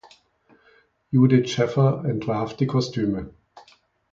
Judit Schäffer entwarf die Kostüme.